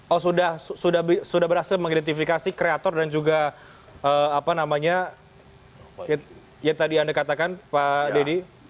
oh sudah berhasil mengidentifikasi kreator dan juga apa namanya yang tadi anda katakan pak dedy